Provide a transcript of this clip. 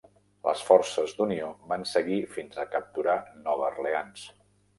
Les forces d'unió van seguir fins a capturar Nova Orleans.